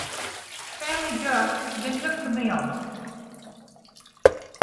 Stanley Jupp then took the mill.